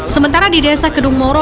sementara di desa kedung moro